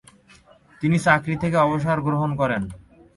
তিনি চাকুরি থেকে অবসর গ্রহণ করেন।